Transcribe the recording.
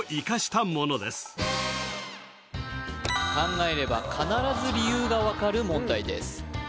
考えれば必ず理由が分かる問題です